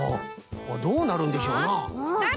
どうなるんでしょうな。